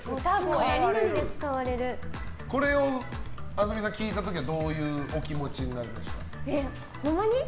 これをａｓｍｉさん、聞いた時はどういうお気持ちになりました？